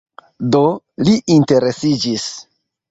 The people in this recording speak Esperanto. Do, li interesiĝis